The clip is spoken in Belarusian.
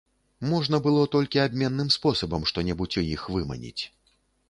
Можна было толькі абменным спосабам што-небудзь у іх выманіць.